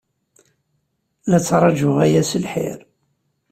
La ttṛajuɣ aya s lḥir.